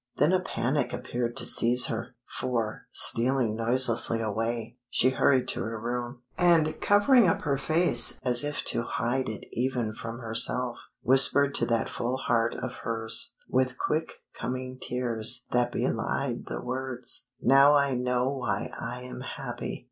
Then a panic appeared to seize her, for, stealing noiselessly away, she hurried to her room, and covering up her face as if to hide it even from herself, whispered to that full heart of hers, with quick coming tears that belied the words "Now I know why I am happy!"